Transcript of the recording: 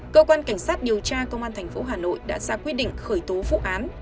cơ quan cảnh sát điều tra công an tp hà nội đã ra quyết định khởi tố vụ án